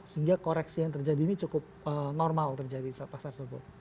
sehingga koreksi yang terjadi ini cukup normal terjadi di pasar tersebut